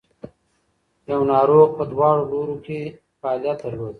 یو ناروغ په دواړو لورو کې فعالیت درلود.